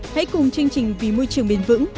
hãy cùng chương trình vì môi trường bền vững